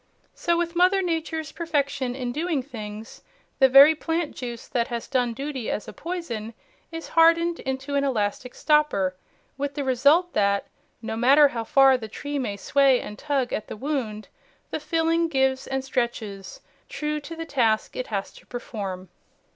So with Mother Nature's perfection in doing things, the very plant juice that has done duty as a poison is hardened into an elastic stopper, with the result that, no matter how far the tree may sway and tug at the wound, the filling gives and stretches, true to the task it has to perform.